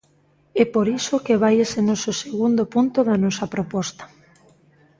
É por iso que vai ese noso segundo punto da nosa proposta.